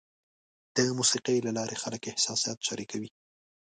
د موسیقۍ له لارې خلک احساسات شریکوي.